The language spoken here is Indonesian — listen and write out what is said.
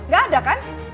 gak ada kan